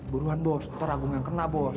buruan bos ntar agung yang kena bos